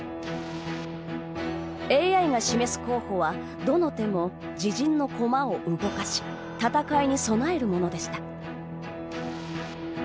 ＡＩが示す候補はどの手も自陣の駒を動かし戦いに備えるものでした。